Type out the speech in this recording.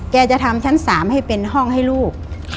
จะทำชั้น๓ให้เป็นห้องให้ลูก